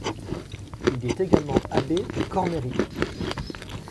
Il est également abbé de Cormery.